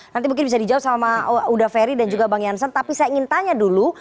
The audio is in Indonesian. nanti mungkin bisa dijawab sama uda ferry dan juga bang jansen tapi saya ingin tanya dulu